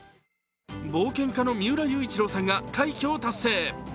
冒険家の三浦雄一郎さんが快挙を達成。